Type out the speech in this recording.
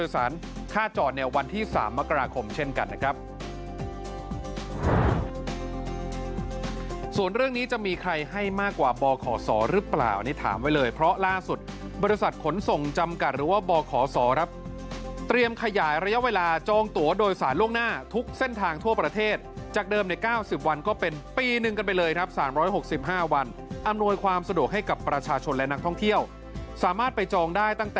ส่วนเรื่องนี้จะมีใครให้มากกว่าบขสหรือเปล่านี่ถามไว้เลยเพราะล่าสุดบริษัทขนส่งจำกัดหรือว่าบขสรับเตรียมขยายระยะเวลาจองตัวโดยสารล่วงหน้าทุกเส้นทางทั่วประเทศจากเดิมใน๙๐วันก็เป็นปีนึงกันไปเลยครับ๓๖๕วันอำนวยความสะดวกให้กับประชาชนและนักท่องเที่ยวสามารถไปจอง